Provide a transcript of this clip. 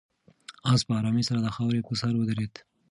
آس په آرامۍ سره د خاورو په سر ودرېد.